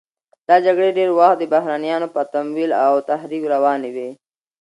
دا جګړې ډېری وخت د بهرنیانو په تمویل او تحریک روانې وې.